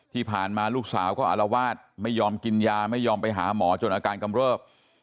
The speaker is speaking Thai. ที่ผ่านมาลูกสาวก็อารวาสไม่ยอมกินยาไม่ยอมไปหาหมอจนอาการกำเริบ